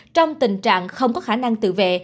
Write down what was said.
trong tình trạng không có khả năng tự vệ